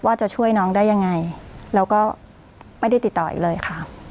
ว่าจะช่วยน้องได้ยังไงแล้วก็ไม่ได้ติดต่ออีกเลยค่ะ